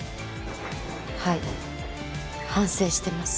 はい反省してます。